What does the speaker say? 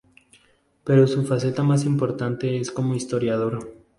Pero su faceta más importante es como historiador.